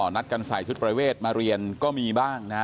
นัดกันใส่ชุดประเวทมาเรียนก็มีบ้างนะฮะ